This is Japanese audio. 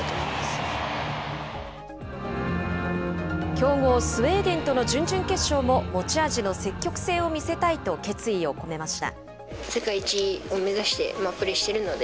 強豪、スウェーデンとの準々決勝も、持ち味の積極性を見せたいと決意を込めました。